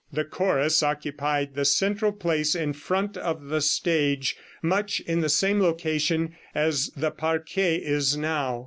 The chorus occupied the central place in front of the stage, much in the same location as the parquet is now.